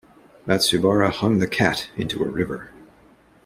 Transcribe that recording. Matsubara hung the cat into a river.